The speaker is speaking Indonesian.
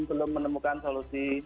belum menemukan solusi